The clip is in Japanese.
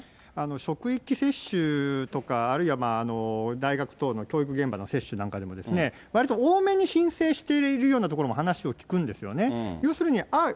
職域接種とかあるいは大学等の教育現場の接種なんかでも、わりと多めに申請しているような所も話を聞くんですよね。